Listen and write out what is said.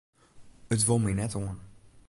It wol my net oan.